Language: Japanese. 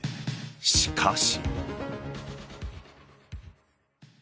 しかし。